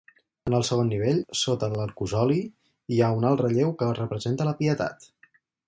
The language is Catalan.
En el segon nivell, sota l'arcosoli, hi ha un alt relleu que representa la Pietat.